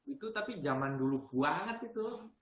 itu tapi zaman dulu kuat itu